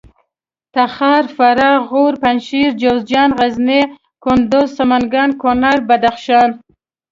تخار فراه غور پنجشېر جوزجان غزني کندوز سمنګان کونړ بدخشان